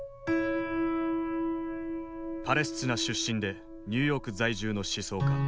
パレスチナ出身でニューヨーク在住の思想家